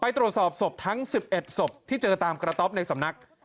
ตรวจสอบศพทั้ง๑๑ศพที่เจอตามกระต๊อบในสำนัก